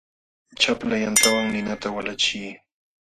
Chapla yantawan ninata walachiy.